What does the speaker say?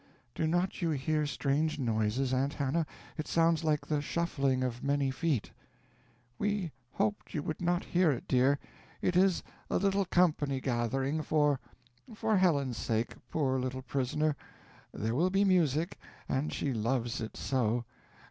"Do not you hear strange noises, Aunt Hannah? It sounds like the shuffling of many feet." "We hoped you would not hear it, dear. It is a little company gathering, for for Helen's sake, poor little prisoner. There will be music and she loves it so.